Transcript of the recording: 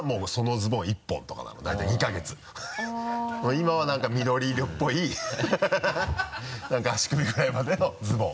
今はなんか緑色っぽい なんか足首ぐらいまでのズボン。